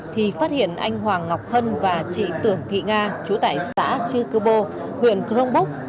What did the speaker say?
thì phát hiện anh hoàng ngọc hân và chị tưởng thị nga chủ tải xã chư cư bô huyện cronbúc